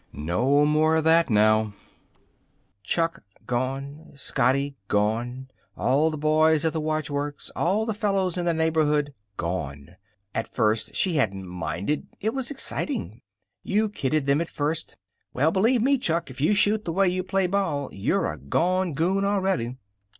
No more of that now. Chuck gone. Scotty gone. All the boys at the watchworks, all the fellows in the neighborhood gone. At first she hadn't minded. It was exciting. You kidded them at first: "Well, believe me, Chuck, if you shoot the way you play ball, you're a gone goon already."